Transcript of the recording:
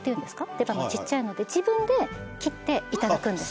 出刃のちっちゃいので自分で切っていただくんです。